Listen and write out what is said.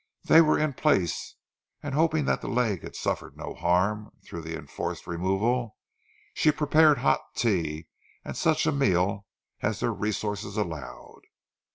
They were in place and hoping that the leg had suffered no harm through the enforced removal, she prepared hot tea and such a meal as their resources allowed.